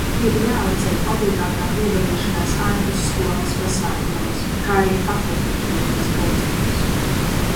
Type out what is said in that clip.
Ir jāatceļ obligātā piedalīšanās ārpusskolas pasākumos, kā arī fakultatīvajos pulciņos.